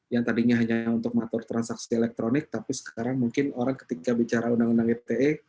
yang tadinya hanya untuk mengatur transaksi elektronik tapi sekarang mungkin orang ketika bicara undang undang ite